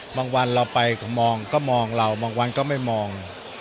วันเราไปมองก็มองเราบางวันก็ไม่มอง